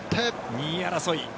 ２位争い。